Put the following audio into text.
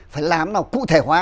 phải làm nào cụ thể hóa